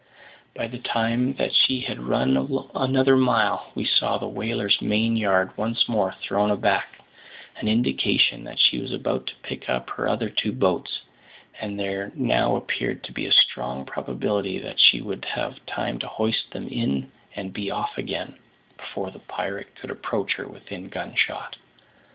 By the time that she had run another mile, we saw the whaler's main yard once more thrown aback; an indication that she was about to pick up her other two boats; and there now appeared to be a strong probability that she would have time to hoist them in and be off again, before the pirate could approach her within gun shot.